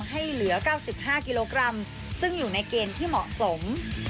ให้เหลือ๙๕กิโลกรัมซึ่งอยู่ในเกณฑ์ที่เหมาะสม